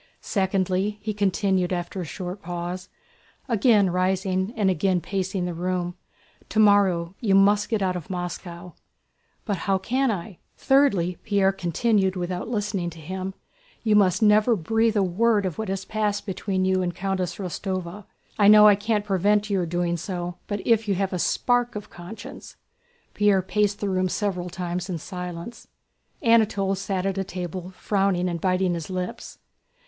"Secondly," he continued after a short pause, again rising and again pacing the room, "tomorrow you must get out of Moscow." "But how can I?..." "Thirdly," Pierre continued without listening to him, "you must never breathe a word of what has passed between you and Countess Rostóva. I know I can't prevent your doing so, but if you have a spark of conscience..." Pierre paced the room several times in silence. Anatole sat at a table frowning and biting his lips.